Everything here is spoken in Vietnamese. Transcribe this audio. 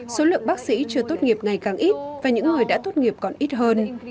số lượng bác sĩ chưa tốt nghiệp ngày càng ít và những người đã tốt nghiệp còn ít hơn